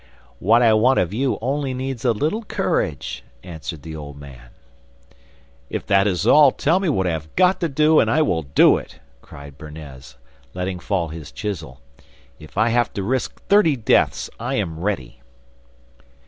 'What I want of you only needs a little courage,' answered the old man. 'If that is all, tell me what I have got to do, and I will do it,' cried Bernez, letting fall his chisel. 'If I have to risk thirty deaths, I am ready.